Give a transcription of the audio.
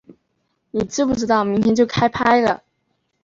你知不知道明天就要开拍了